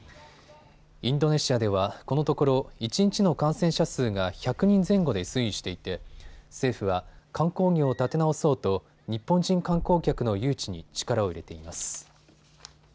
インドネシアでは、このところ一日の感染者数が１００人前後で推移していて政府は、観光業を立て直そうと日本人観光客の誘致に力を入れています。